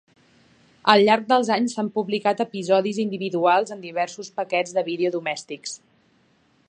Al llarg dels anys s'han publicat episodis individuals en diversos paquets de vídeo domèstics.